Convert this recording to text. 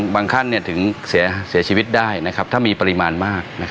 ขั้นถึงเสียชีวิตได้ถ้ามีปริมาณมาก